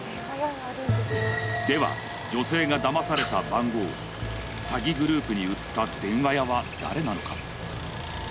では女性がだまされた番号を詐欺グループに売った電話屋は誰なのか？